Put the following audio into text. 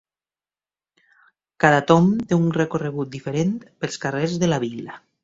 Cada tomb té un recorregut diferent pels carrers de la vila.